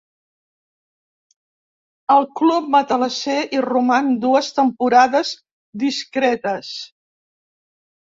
Al club matalasser hi roman dues temporades discretes.